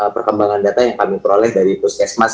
perkembangan data yang kami peroleh dari puskesmas